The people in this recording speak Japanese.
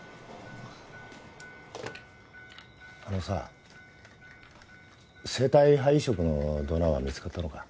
あのさ生体肺移植のドナーは見つかったのか？